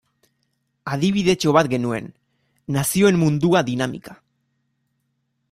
Adibidetxo bat genuen, Nazioen Mundua dinamika.